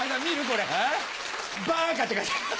これ「バーカ」って書いた。